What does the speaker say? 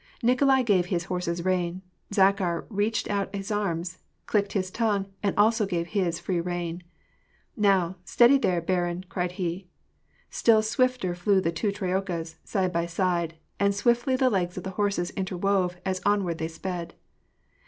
Nikolai gave his horses rein ; Zakhar, reaching out his arms, clucked his tongue, and also gave his free rein. " Now, steady there, barin !" cried he. Still swifter flew the two trotkas, side by side ; and swiftly the legs of the horses interwove as onward they sped.